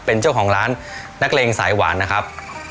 เป็นเจ้าของร้านนักเลงสายหวานนะครับ